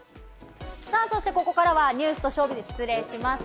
そして、ここからはニュースとＳＨＯＷＢＩＺ、失礼します。